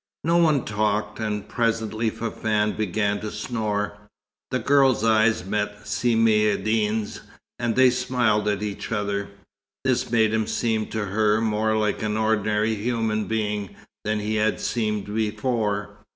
No one talked, and presently Fafann began to snore. The girl's eyes met Si Maïeddine's, and they smiled at each other. This made him seem to her more like an ordinary human being than he had seemed before.